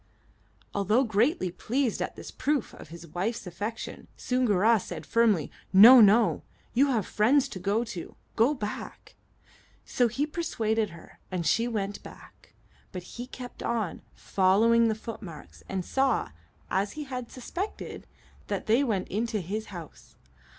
Although greatly pleased at this proof of his wife's affection, Soongoora said firmly: "No, no; you have friends to go to. Go back." So he persuaded her, and she went back; but he kept on, following the footmarks, and saw as he had suspected that they went into his house.